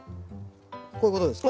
こういうことですか？